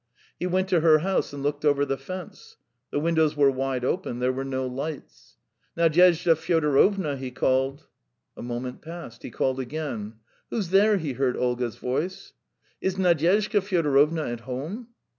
He went to her house and looked over the fence: the windows were wide open, there were no lights. "Nadyezhda Fyodorovna!" he called. A moment passed, he called again. "Who's there?" he heard Olga's voice. "Is Nadyezhda Fyodorovna at home?"